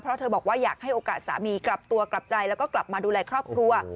เพราะเธอบอกว่าอยากให้โอกาสสามีกลับตัวกลับใจแล้วก็กลับมาดูแลครอบครัว